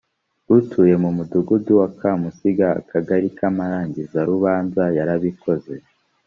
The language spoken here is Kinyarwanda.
utuye mu mudugudu wa kamusinga akagali ka amarangizarubanza yarabikoze